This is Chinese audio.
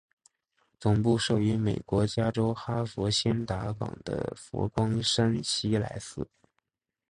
总部设于美国加州哈仙达岗的佛光山西来寺。